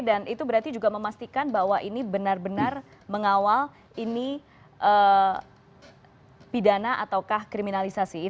dan itu berarti juga memastikan bahwa ini benar benar mengawal ini pidana ataukah kriminalisasi